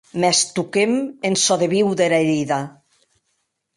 Mès toquem en çò de viu dera herida.